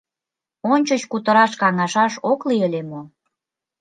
Ончыч кутыраш, каҥашаш ок лий ыле мо?